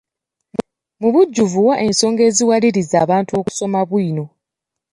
Mu bujjuvu, wa ensonga eziwaliriza abantu okusoma bwino.